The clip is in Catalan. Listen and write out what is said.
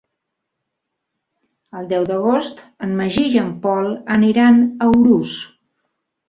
El deu d'agost en Magí i en Pol aniran a Urús.